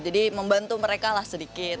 jadi membantu mereka lah sedikit